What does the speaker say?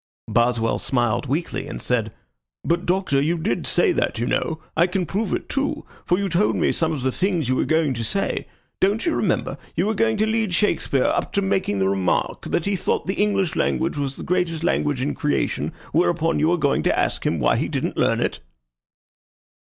Boswell smiled weakly, and said: "But, Doctor, you did say that, you know. I can prove it, too, for you told me some of the things you were going to say. Don't you remember, you were going to lead Shakespeare up to making the remark that he thought the English language was the greatest language in creation, whereupon you were going to ask him why he didn't learn it?"